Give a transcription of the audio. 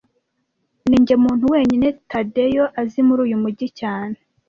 Ninjye muntu wenyine Tadeyo azi muri uyu mujyi cyane